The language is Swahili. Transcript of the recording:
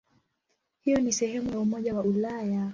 Hivyo ni sehemu ya Umoja wa Ulaya.